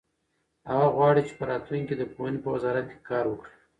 هغه غواړي چې په راتلونکي کې د پوهنې په وزارت کې کار وکړي.